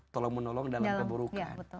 tolong menolong dalam keburukan